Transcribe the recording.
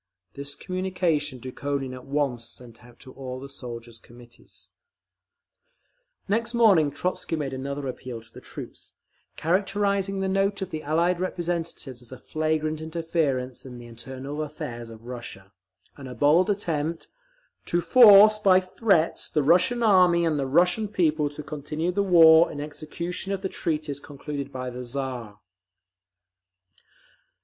This communication Dukhonin at once sent out to all the soldiers' Committees…. Next morning Trotzky made another appeal to the troops, characterising the note of the Allied representatives as a flagrant interference in the internal affairs of Russia, and a bald attempt "to force by threats the Russian Army and the Russian people to continue the war in execution of the treaties concluded by the Tsar…."